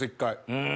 うん。